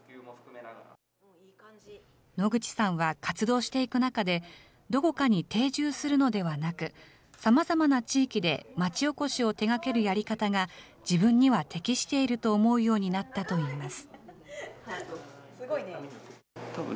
野口さんは活動していく中で、どこかに定住するのではなく、さまざまな地域で町おこしを手がけるやり方が、自分には適していると思うようになったといいます。